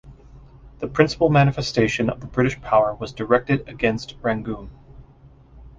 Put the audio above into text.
The principal manifestation of the British power was directed against Rangoon.